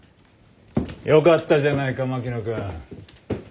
よかったじゃないか槙野君。